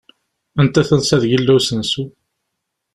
Anta tansa deg illa usensu?